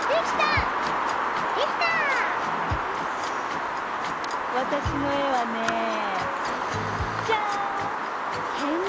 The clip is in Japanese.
わたしのえはねじゃん！